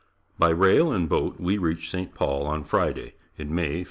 By rail and boat we reached St. Paul on Friday, in May '57.